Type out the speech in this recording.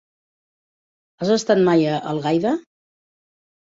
Has estat mai a Algaida?